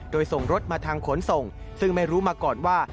โดยส่งรถมาทางขนส่งซึ่งไม่รู้มาก่อนว่า